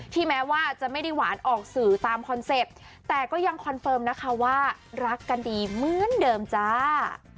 แม้ว่าจะไม่ได้หวานออกสื่อตามคอนเซ็ปต์แต่ก็ยังคอนเฟิร์มนะคะว่ารักกันดีเหมือนเดิมจ้า